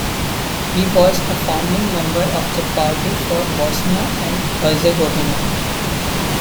He was a founding member of the Party for Bosnia and Herzegovina.